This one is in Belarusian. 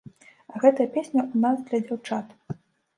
А гэтая песня ў нас для дзяўчат.